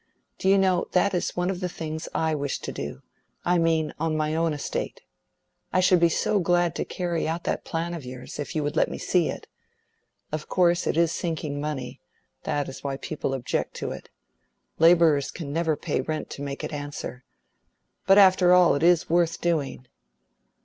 Do you know, that is one of the things I wish to do—I mean, on my own estate. I should be so glad to carry out that plan of yours, if you would let me see it. Of course, it is sinking money; that is why people object to it. Laborers can never pay rent to make it answer. But, after all, it is worth doing."